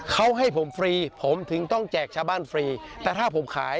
เขาให้ผมฟรีผมถึงต้องแจกชาวบ้านฟรีแต่ถ้าผมขาย